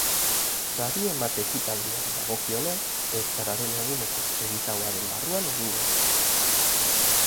Sari emate ekitaldiari dagokionez, Euskararen Eguneko egitarauaren barruan egingo dute.